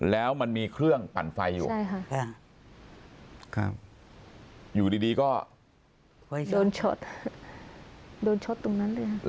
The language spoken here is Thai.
แล้วมันมีเครื่องปั่นไฟอยู่อยู่ดีก็โดนช็อตตรงนั้นเลยครับ